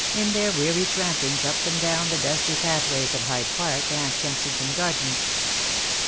in their weary trampings up and down the dusty pathways of Hyde Park and Kensington Gardens.